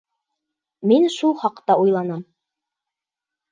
Мин шул хаҡта уйланам.